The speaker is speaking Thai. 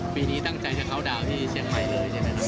ปีนี้ตั้งใจจะเข้าดาวน์ที่เชียงใหม่เลยใช่ไหมครับ